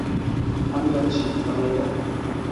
আমি যাচ্ছি, থালাইভা।